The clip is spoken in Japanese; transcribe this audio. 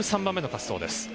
１３番目の滑走です。